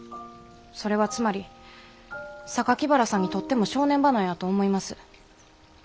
それはつまり原さんにとっても正念場なんやと思います。